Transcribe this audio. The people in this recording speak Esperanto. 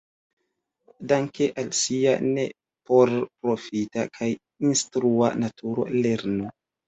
Danke al sia ne-porprofita kaj instrua naturo, "lernu!